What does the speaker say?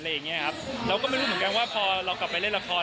เราก็ไม่รู้เหมือนกันว่าพอเรากลับไปเล่นละคร